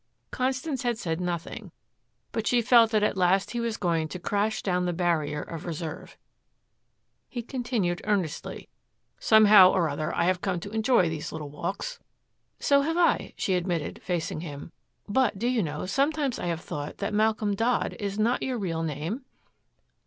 Constance had said nothing, but she felt that at last he was going to crash down the barrier of reserve. He continued earnestly, "Somehow or other I have come to enjoy these little walks." "So have I," she admitted, facing him; "but, do you know, sometimes I have thought that Malcolm Dodd is not your real name?"